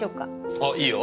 あっいいよ！